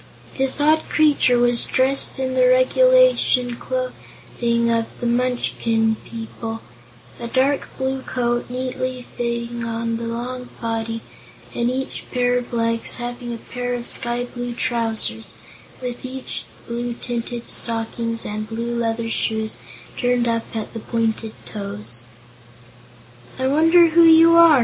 This odd creature was dressed in the regulation clothing of the Munchkin people, a dark blue coat neatly fitting the long body and each pair of legs having a pair of sky blue trousers, with blue tinted stockings and blue leather shoes turned up at the pointed toes. "I wonder who you are?"